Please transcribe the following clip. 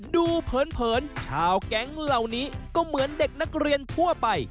เผินชาวแก๊งเหล่านี้ก็เหมือนเด็กนักเรียนทั่วไป